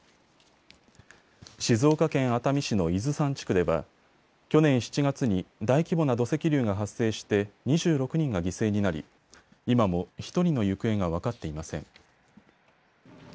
静岡県熱海市の伊豆山地区では去年７月に大規模な土石流が発生して２６人が犠牲になり今も１人の行方が分かっていません。